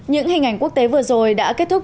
những hình ảnh quốc tế vừa rồi đã kết thúc